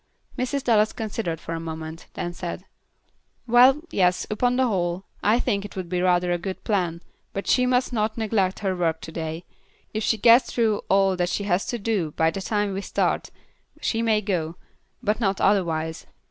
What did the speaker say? Mrs. Dallas considered for a moment, and then said: "Well, yes, upon the whole, I think it would be rather a good plan, but she must not neglect her work to day. If she gets through all that she has to do by the time we start she may go, but not otherwise.